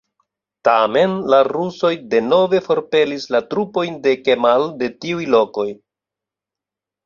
Tamen, la rusoj denove forpelis la trupojn de Kemal de tiuj lokoj.